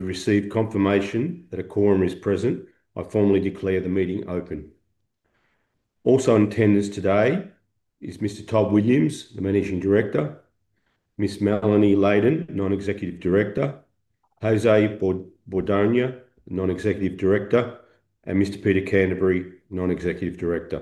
Received confirmation that a quorum is present. I formally declare the meeting open. Also in attendance today is Mr. Todd Williams, the Managing Director – Ms. Melanie Layden, Non-Executive Director – Jose Bordonia, Non-Executive Director – and Mr. Peter Canterbury, Non-Executive Director.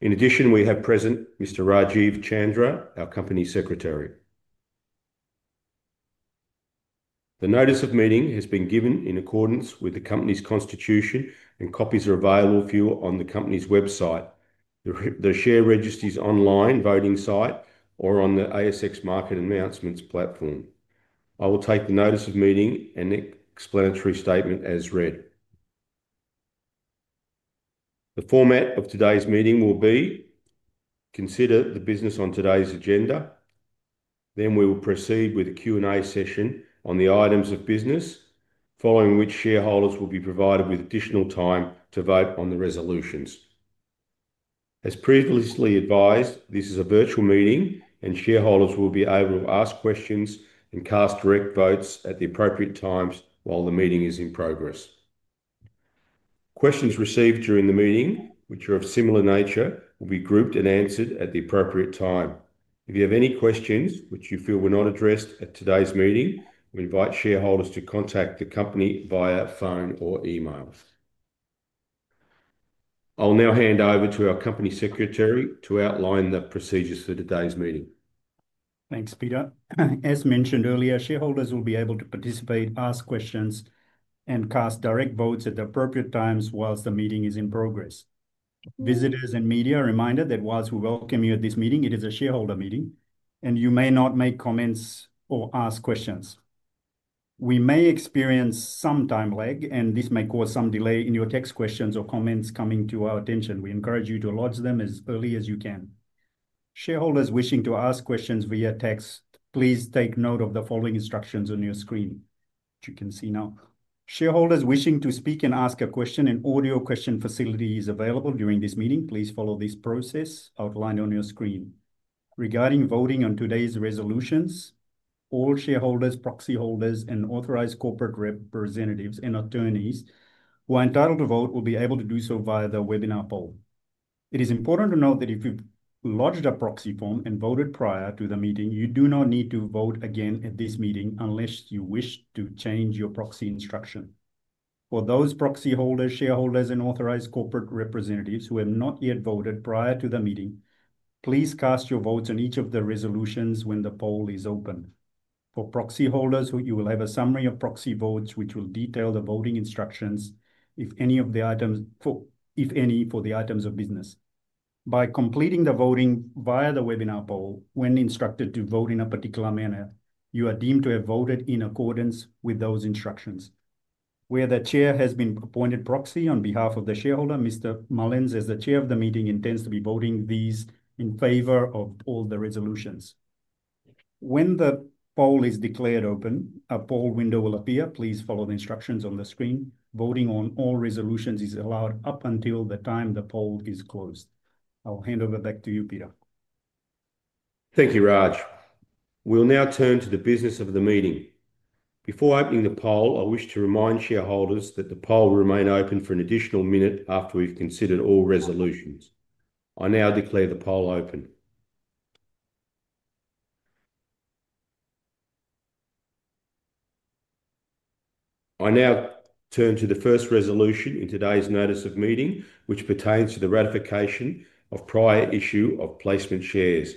In addition, we have present Mr. Rajeev Chandra, our Company Secretary. The notice of meeting has been given in accordance with the company's Constitution, and copies are available for you on the company's website, the share registry's online voting site, or on the ASX market announcements platform. I will take the notice of meeting and explanatory statement as read. The format of today's meeting will be to consider the business on today's agenda. We will proceed with a Q&A session on the items of business, following which shareholders will be provided with additional time to vote on the resolutions. As previously advised, this is a virtual meeting, and shareholders will be able to ask questions and cast direct votes at the appropriate times while the meeting is in progress. Questions received during the meeting, which are of similar nature, will be grouped and answered at the appropriate time. If you have any questions which you feel were not addressed at today's meeting, we invite shareholders to contact the company via phone or email. I'll now hand over to our Company Secretary to outline the procedures for today's meeting. Thanks, Peter. As mentioned earlier, shareholders will be able to participate, ask questions, and cast direct votes at the appropriate times whilst the meeting is in progress. Visitors and media are reminded that whilst we welcome you at this meeting, it is a shareholder meeting, and you may not make comments or ask questions. We may experience some time lag, and this may cause some delay in your text questions or comments coming to our attention. We encourage you to lodge them as early as you can. Shareholders wishing to ask questions via text, please take note of the following instructions on your screen, which you can see now. Shareholders wishing to speak and ask a question, an audio question facility is available during this meeting. Please follow this process outlined on your screen. Regarding voting on today's resolutions, all shareholders, proxy holders, and authorized corporate representatives and attorneys who are entitled to vote will be able to do so via the webinar poll. It is important to note that if you've lodged a proxy form and voted prior to the meeting, you do not need to vote again at this meeting unless you wish to change your proxy instruction. For those proxy holders, shareholders, and authorized corporate representatives who have not yet voted prior to the meeting, please cast your votes on each of the resolutions when the poll is open. For proxy holders, you will have a summary of proxy votes which will detail the voting instructions, if any, for the items of business. By completing the voting via the webinar poll, when instructed to vote in a particular manner, you are deemed to have voted in accordance with those instructions. Where the Chair has been appointed proxy on behalf of the shareholder, Mr. Mullens, as the Chair of the meeting, intends to be voting these in favor of all the resolutions. When the poll is declared open, a poll window will appear. Please follow the instructions on the screen. Voting on all resolutions is allowed up until the time the poll is closed. I'll hand over back to you, Peter. Thank you, Raj. We'll now turn to the business of the meeting. Before opening the poll, I wish to remind shareholders that the poll will remain open for an additional minute after we've considered all resolutions. I now declare the poll open. I now turn to the first resolution in today's notice of meeting, which pertains to the ratification of prior issue of placement shares.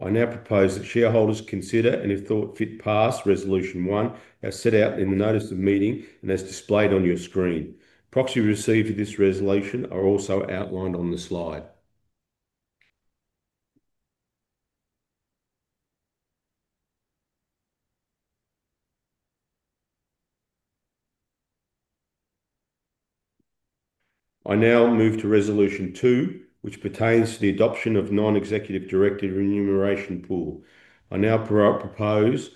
I now propose that shareholders consider and, if thought fit, pass resolution one as set out in the notice of meeting and as displayed on your screen. Proxies received for this resolution are also outlined on the slide. I now move to resolution two, which pertains to the adoption of Non-Executive Director remuneration pool. I now propose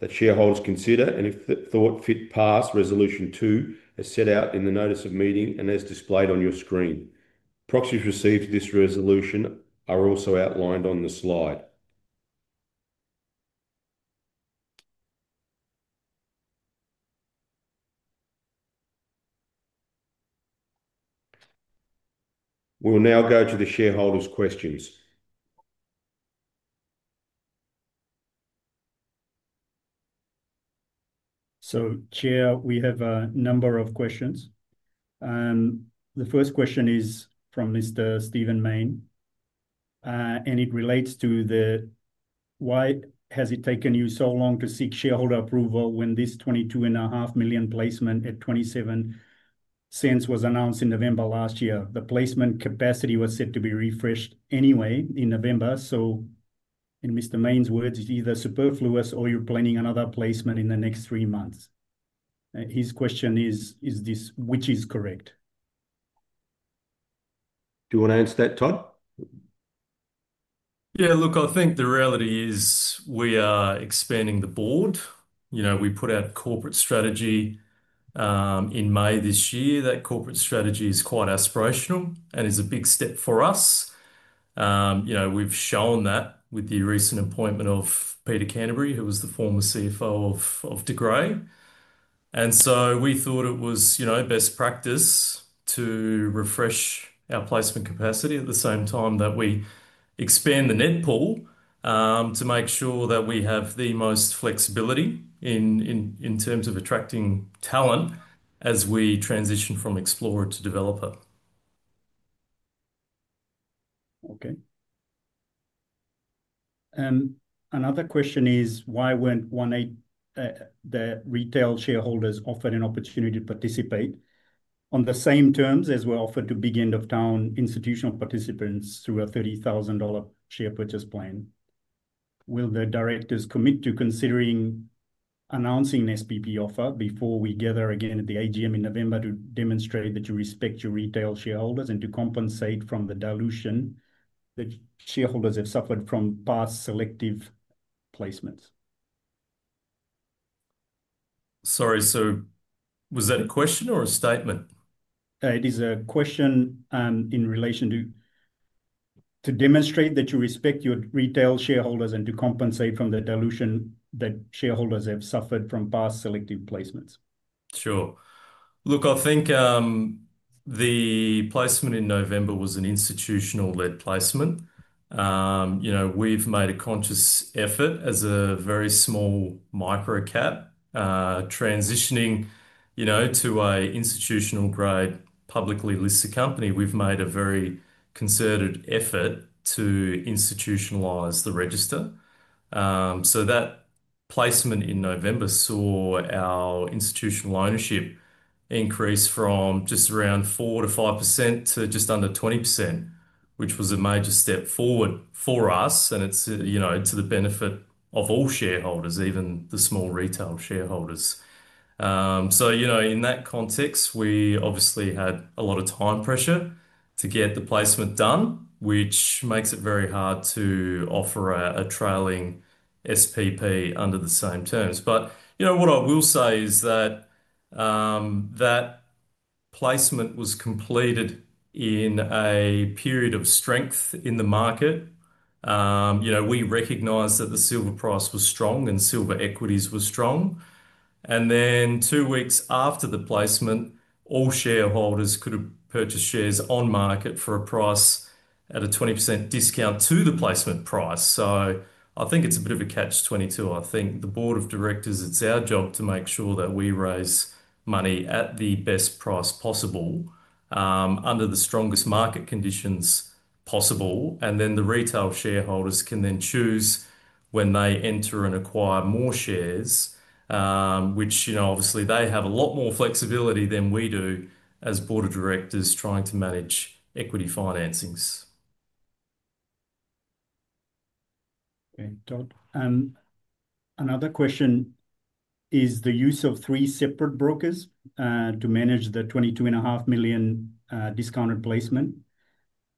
that shareholders consider and, if thought fit, pass resolution two as set out in the notice of meeting and as displayed on your screen. Proxies received for this resolution are also outlined on the slide. We'll now go to the shareholders' questions. Chair, we have a number of questions. The first question is from Mr. Stephen Mayne, and it relates to why has it taken you so long to seek shareholder approval when this $22.5 million placement at $0.27 was announced in November last year? The placement capacity was set to be refreshed anyway in November. In Mr. Mayne's words, it's either superfluous or you're planning another placement in the next three months. His question is, which is correct? Do you want to answer that, Todd? Yeah, look, I think the reality is we are expanding the board. We put out a corporate strategy in May this year. That corporate strategy is quite aspirational and is a big step for us. We've shown that with the recent appointment of Peter Canterbury, who was the former CFO of Degray. We thought it was best practice to refresh our placement capacity at the same time that we expand the net pool to make sure that we have the most flexibility in terms of attracting talent as we transition from explorer to developer. Okay. Another question is, why weren't the retail shareholders offered an opportunity to participate on the same terms as were offered to big end-of-town institutional participants through a $30,000 share purchase plan? Will the Directors commit to considering announcing an SPP offer before we gather again at the AGM in November to demonstrate that you respect your retail shareholders and to compensate for the dilution that shareholders have suffered from past selective placements? Sorry, was that a question or a statement? It is a question in relation to demonstrate that you respect your retail shareholders and to compensate from the dilution that shareholders have suffered from past selective placements. Sure. Look, I think the placement in November was an institutional-led placement. We've made a conscious effort as a very small microcap, transitioning to an institutional-grade publicly listed company. We've made a very concerted effort to institutionalize the register. That placement in November saw our institutional ownership increase from just around 4%-5% to just under 20%, which was a major step forward for us, and it's to the benefit of all shareholders, even the small retail shareholders. In that context, we obviously had a lot of time pressure to get the placement done, which makes it very hard to offer a trailing share purchase plan under the same terms. What I will say is that that placement was completed in a period of strength in the market. We recognized that the silver price was strong and silver equities were strong. Two weeks after the placement, all shareholders could have purchased shares on market for a price at a 20% discount to the placement price. I think it's a bit of a catch-22. I think the Board of Directors, it's our job to make sure that we raise money at the best price possible, under the strongest market conditions possible. The retail shareholders can then choose when they enter and acquire more shares, which obviously they have a lot more flexibility than we do as Board of Directors trying to manage equity financings. Thanks, Todd. Another question is the use of three separate brokers to manage the $22.5 million discounted placement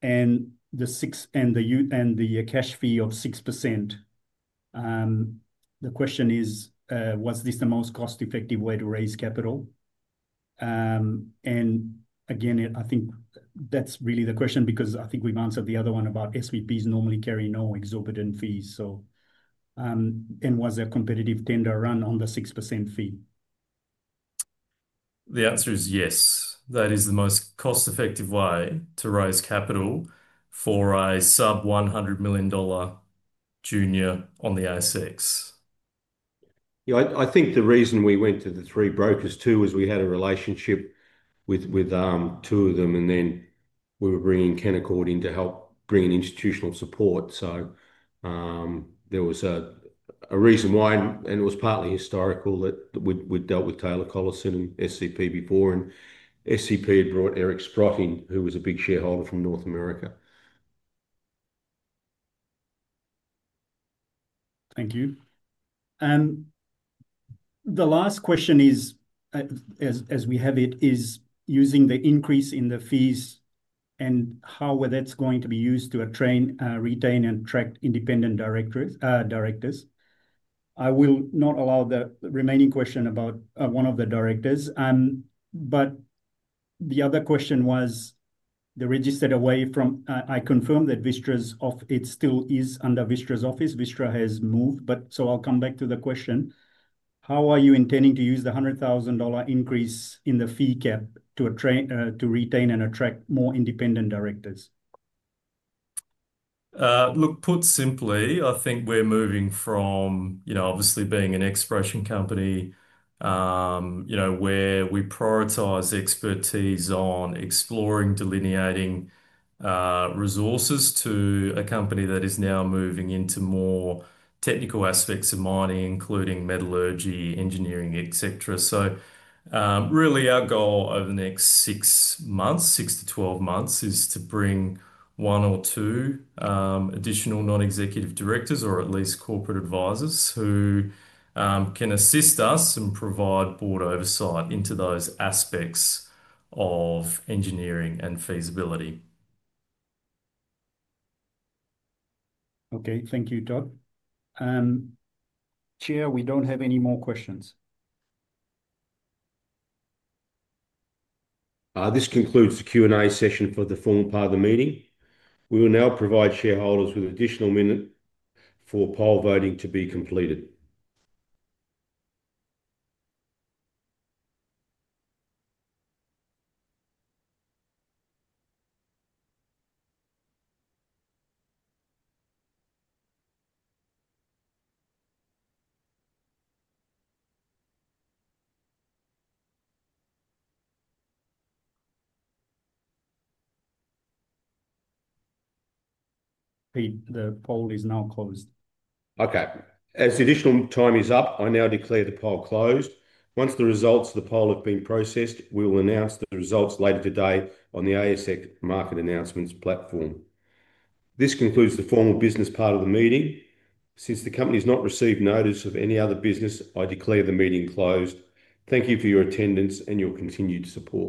and the cash fee of 6%. The question is, was this the most cost-effective way to raise capital? I think that's really the question because I think we've answered the other one about SPPs normally carry no exorbitant fees. Was there a competitive tender run on the 6% fee? The answer is yes. That is the most cost-effective way to raise capital for a sub-$100 million junior on the ASX. I think the reason we went to the three brokers too was we had a relationship with two of them, and then we were bringing Kenna Court in to help bring in institutional support. There was a reason why, and it was partly historical that we'd dealt with Taylor Collison and SCP before, and SCP had brought Eric Sprucken, who was a big shareholder from North America. Thank you. The last question is, as we have it, is using the increase in the fees and how that's going to be used to retain and attract independent directors. I will not allow the remaining question about one of the directors. The other question was, the registered away from, I confirmed that Vistra's office still is under Vistra's office. Vistra has moved, but I'll come back to the question. How are you intending to use the $100,000 increase in the fee cap to retain and attract more independent directors? Put simply, I think we're moving from obviously being an exploration company, where we prioritize expertise on exploring, delineating resources to a company that is now moving into more technical aspects of mining, including metallurgy, engineering, et cetera. Our goal over the next six months, six to twelve months, is to bring one or two additional Non-Executive Directors or at least corporate advisors who can assist us and provide board oversight into those aspects of engineering and feasibility. Okay, thank you, Todd. Chair, we don't have any more questions. This concludes the Q&A session for the formal part of the meeting. We will now provide shareholders with an additional minute for poll voting to be completed. The poll is now closed. Okay. As the additional time is up, I now declare the poll closed. Once the results of the poll have been processed, we will announce the results later today on the ASX market announcements platform. This concludes the formal business part of the meeting. Since the company has not received notice of any other business, I declare the meeting closed. Thank you for your attendance and your continued support.